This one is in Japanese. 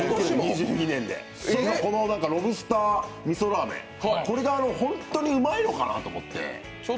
このロブスター味噌らぁ麺が本当にうまいのかなと思って。